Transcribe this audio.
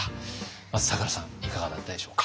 まず咲楽さんいかがだったでしょうか？